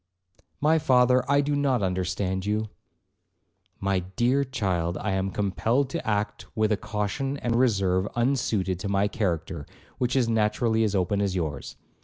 'My father, I do not understand you.' 'My dear child, I am compelled to act with a caution and reserve unsuited to my character, which is naturally as open as yours.